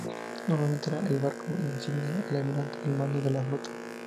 Normalmente era el barco insignia del almirante al mando de la flota.